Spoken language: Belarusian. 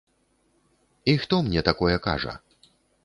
І хто мне такое кажа?